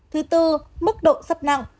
thứ tư mức độ sắp nặng